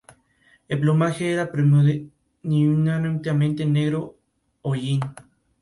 Es casado y padre de dos hijas.